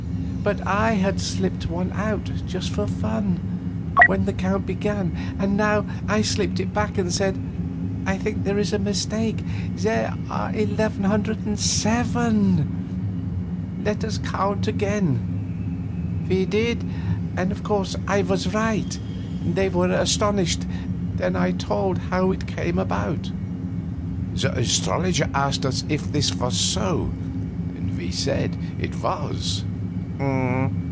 But I had slipped one out, for fun, when the count began, and now I slipped it back and said, 'I think there is a mistake there are eleven hundred and seven; let us count again.' We did, and of course I was right. They were astonished; then I told how it came about." The astrologer asked us if this was so, and we said it was.